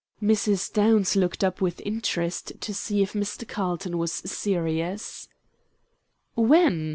Mrs. Downs looked up with interest to see if Mr. Carlton was serious. "When?"